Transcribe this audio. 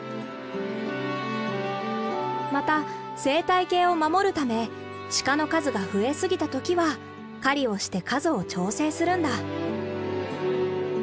また生態系を守るためシカの数が増えすぎた時は狩りをして数を調整するんだ。